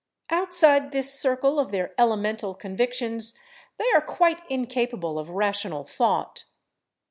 Outside this circle of their elemental convictions they are quite incapable of rational thought.